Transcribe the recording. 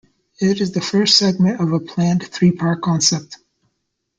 It is the first segment of a planned three-part concept.